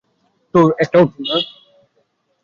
তোর একটা অটো, তাই না?